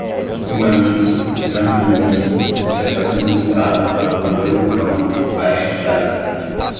imanência, transcendência, dissertação de mestrado, comboio do cão, faixa de gaza